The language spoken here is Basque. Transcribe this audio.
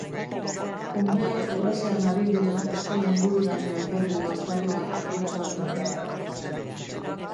Umeak jolasean ari diren eskola ingururaino ekarri du Astarloak jakintsu alemaniarra.